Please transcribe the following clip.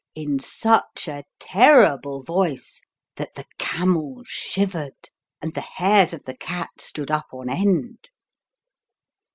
" in such a terrible voice that the camel shivered, and the hairs of the cat stood up on end.